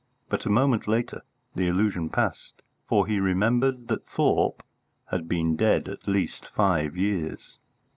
But a moment later the illusion passed, for he remembered that Thorpe had been dead at least five years.